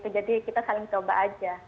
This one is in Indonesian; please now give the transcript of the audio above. jadi kita saling coba aja